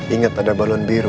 ingat ada balon biru